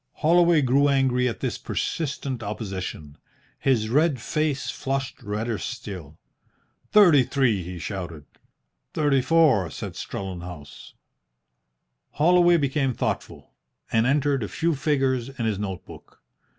Holloway grew angry at this persistent opposition. His red face flushed redder still. "Thirty three!" he shouted. "Thirty four," said Strellenhaus. Holloway became thoughtful, and entered a few figures in his note book.